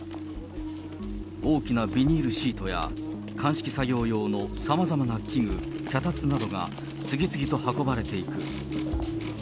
大きなビニールシートや、鑑識作業用のさまざまな器具、脚立などが次々と運ばれていく。